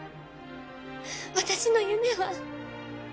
私の夢は？